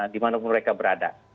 dimanapun mereka berada